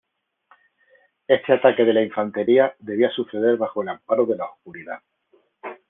Este ataque de la infantería debía suceder bajo el amparo de la oscuridad.